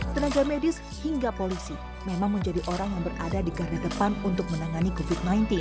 tenaga medis hingga polisi memang menjadi orang yang berada di garda depan untuk menangani covid sembilan belas